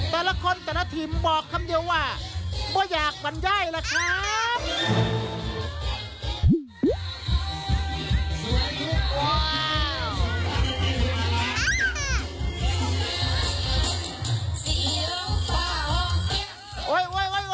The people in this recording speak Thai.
แต่ละคนแต่ละทีมบอกคำเดียวว่าบ่อยากบรรย่อยล่ะครับ